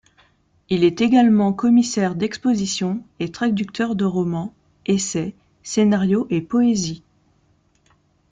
Il est également commissaire d'exposition et traducteur de romans, essais, scénarios et poésie.